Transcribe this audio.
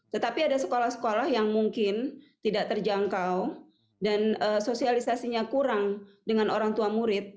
tetapi ada sekolah sekolah yang mungkin tidak terjangkau dan sosialisasinya kurang dengan orang tua murid